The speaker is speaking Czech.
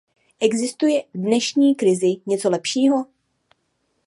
Existuje v dnešní krizi něco lepšího?